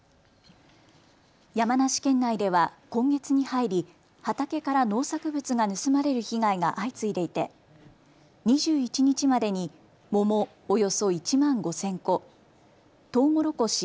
山梨県内では今月に入り畑から農作物が盗まれる被害が相次いでいて２１日までに桃およそ１万５０００個、とうもろこし